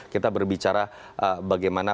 kita berbicara bagaimana